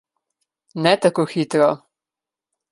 Ne tako hitro.